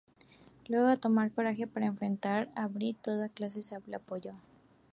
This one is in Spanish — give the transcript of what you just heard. Luego de tomar el coraje para enfrentar a Britt, toda la clase la apoyó.